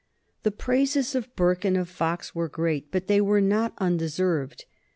The praises of Burke and of Fox were great, but they were not undeserved.